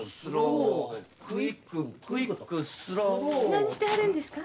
何してはるんですか？